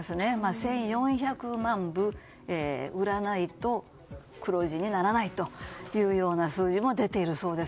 １４００万部売らないと黒字にならないというような数字も出ているそうです。